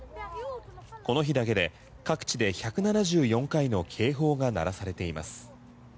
この日だけで各地で１７４回の警報が鳴らされています。